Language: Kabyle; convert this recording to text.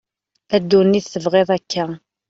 a dunit tebγiḍ akka